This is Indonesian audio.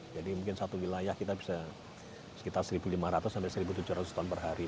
jadi mungkin satu wilayah kita bisa sekitar satu lima ratus sampai satu tujuh ratus ton per hari